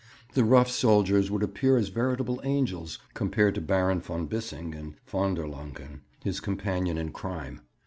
The rough soldiers would appear as veritable angels compared to Baron von Bissing and von der Lancken, his companion in crime.